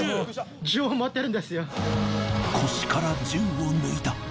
腰から銃を抜いた。